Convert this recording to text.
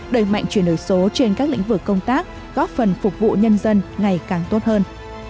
đẩy mạnh chuyển đổi số trên các lĩnh vực công tác góp phần phục vụ nhân dân ngày càng tốt hơn